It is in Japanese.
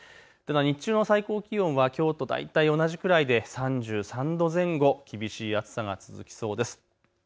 日中の最高気温はきょうと大体同じくらいで３３度前後、厳しい暑さが続きそうです。